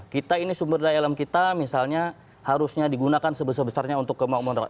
kita ini sumber daya alam kita misalnya harusnya digunakan sebesar besarnya untuk kemauan rakyat